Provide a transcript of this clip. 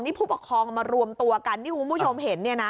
นี่ผู้ปกครองมารวมตัวกันที่คุณผู้ชมเห็นเนี่ยนะ